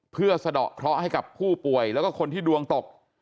เพื่อสะดอกเคราะห์ให้กับผู้ป่วยแล้วก็คนที่ดวงตก